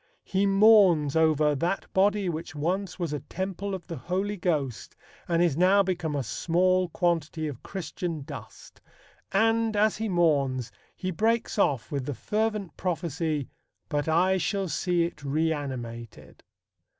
He mourns over "that body, which once was a Temple of the Holy Ghost, and is now become a small quantity of Christian dust," and, as he mourns, he breaks off with the fervent prophecy, "But I shall see it reanimated."